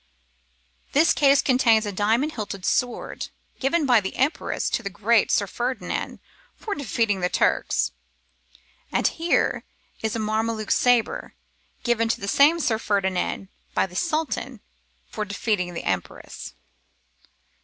This case contains a diamond hilted sword, given by the Empress to the great Sir Ferdinand for defeating the Turks; and here is a Mameluke sabre, given to the same Sir Ferdinand by the Sultan for defeating the Empress.